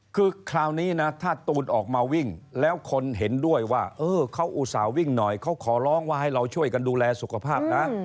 คือคราวนี้นะถ้าตูนออกมาวิ่งแล้วคนเห็นด้วยว่าเขาอุตส่าห์วิ่งหน่อยเขาขอร้องว่าให้เราช่วยกันดูแลสุขภาพนะ